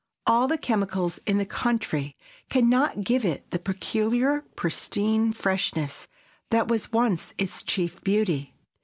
All the chemicals in the country can not give it the peculiar pristine freshness that was once its chief beauty.